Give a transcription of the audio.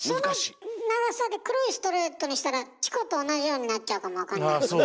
その長さで黒いストレートにしたらチコと同じようになっちゃうかも分かんないもんね。